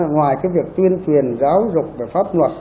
ngoài cái việc tuyên truyền giáo dục về pháp luật